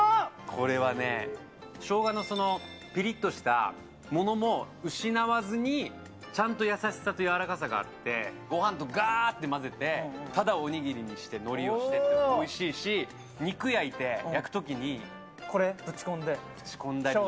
これはね、しょうがのぴりっとしたものも失わずに、ちゃんと優しさとやわらかさがあって、ごはんとがーっと混ぜて、ただおにぎりにして、のりをしてもおいしいし、肉焼いて、焼くとこれ、ぶち込んで。